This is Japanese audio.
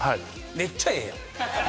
めっちゃええやん。